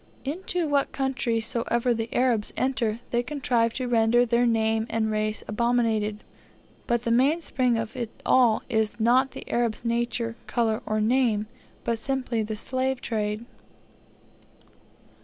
Into what country soever the Arabs enter, they contrive to render their name and race abominated. But the mainspring of it all is not the Arab's nature, colour, or name, but simply the slave trade.